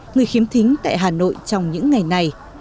người khiếm thính tại hà nội trong những ngày này